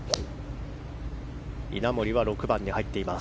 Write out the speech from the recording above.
稲森は６番に入っている。